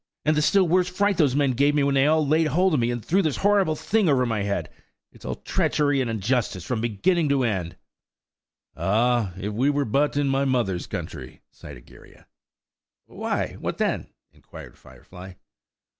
And the still worse fright those men gave me when they all laid hold of me and threw this horrible thing over my head! It's all treachery and injustice from beginning to end." "Ah! if we were but in my mother's country!" sighed Egeria. "Why, what then?" inquired Firefly.